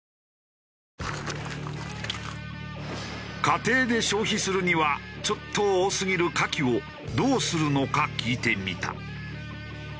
家庭で消費するにはちょっと多すぎるカキをどうするのか聞いてみた。